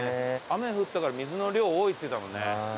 雨降ったから水の量多いっつってたもんね。